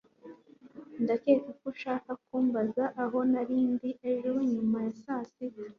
ndakeka ko ushaka kumbaza aho nari ndi ejo nyuma ya saa sita